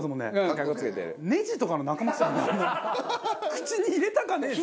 口に入れたかねえっす。